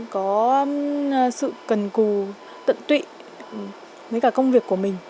có sự cần cù tận tụy với cả công việc của mình